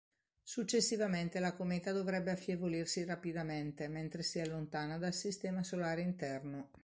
Successivamente la cometa dovrebbe affievolirsi rapidamente, mentre si allontana dal Sistema solare interno.